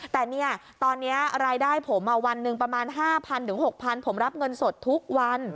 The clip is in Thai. แต่เนี่ยตอนนี้รายได้ผมวันหนึ่งประมาณ๕๐๐๖๐๐ผมรับเงินสดทุกวัน